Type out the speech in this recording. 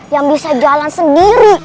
yang bisa jalan sendiri